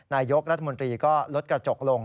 นายกรัฐมนตรีก็ลดกระจกลง